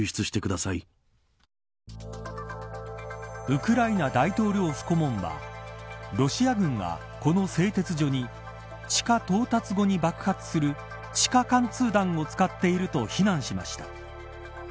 ウクライナ大統領府顧問はロシア軍が、この製鉄所に地下到達後に爆発する地下貫通弾を使っていると非難しました。